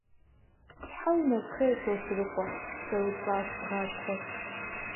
– Щхьэ унэщхъей, Сосрыкъуэ? – къеупщӀащ бгъащхъуэр.